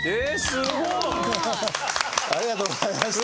すごい！ありがとうございました。